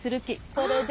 これで。